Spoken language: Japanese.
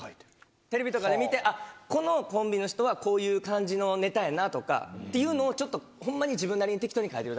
テレビとかで見てあっこのコンビの人はこういう感じのネタやなとかっていうのをちょっとホンマに自分なりに適当に書いてるだけなんですけど。